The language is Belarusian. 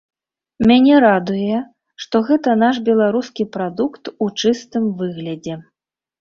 Мяне радуе, што гэта наш беларускі прадукт у чыстым выглядзе.